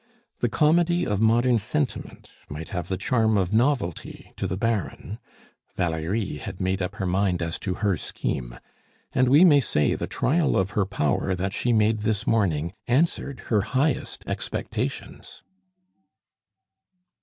The comedy of modern sentiment might have the charm of novelty to the Baron; Valerie had made up her mind as to her scheme; and we may say the trial of her power that she made this morning answered her highest expectations.